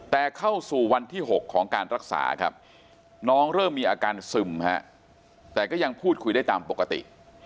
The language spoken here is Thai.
แต่เข้าสู่วันที่๖ของการรักษาครับน้องเริ่มมีอาการซึมฮะแต่ก็ยังพูดคุยได้ตามปกติ